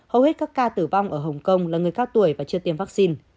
hầu hết các ca tử vong ở hồng kông là người cao tuổi và trường